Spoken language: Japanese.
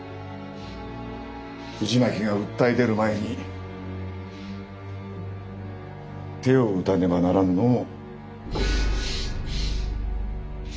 藤巻が訴え出る前に手を打たねばならぬのう。